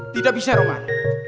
tidak bisa roman